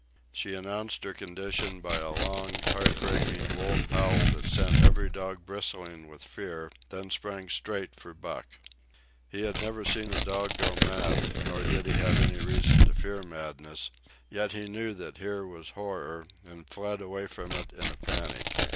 She announced her condition by a long, heartbreaking wolf howl that sent every dog bristling with fear, then sprang straight for Buck. He had never seen a dog go mad, nor did he have any reason to fear madness; yet he knew that here was horror, and fled away from it in a panic.